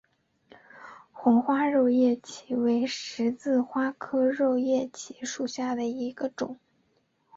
红花肉叶荠为十字花科肉叶荠属下的一个种。